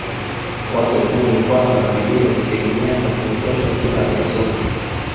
Wazo kuu ni kwamba biblia inajitegemea na kumtosha kila anayesoma